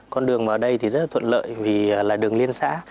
con đường vào đây rất thuận lợi vì là đường liên xã